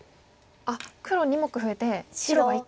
黒２目増えて白が１個。